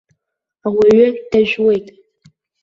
Ауаҩы дажәуеит.